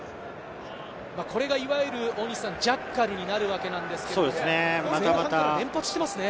これがいわゆるジャッカルになるわけなんですが、連発していますね。